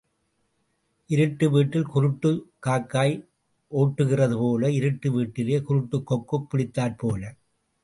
இருட்டு வீட்டில் குருட்டுக் காக்காய் ஒட்டுகிறது போல இருட்டு வீட்டிலே குருட்டுக் கொக்குப் பிடித்தாற் போல.